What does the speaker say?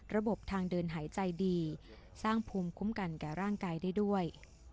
ระบบทางเดินหายใจดีสร้างภูมิคุ้มกันแก่ร่างกายได้ด้วย